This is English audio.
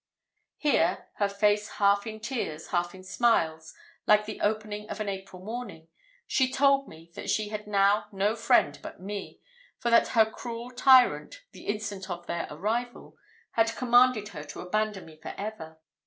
"Here her face half in tears, half in smiles, like the opening of an April morning she told me that she had now no friend but me; for that her cruel tyrant, the instant of their arrival, had commanded her to abandon me for ever.